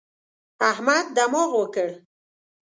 احمد دماغ وکړ.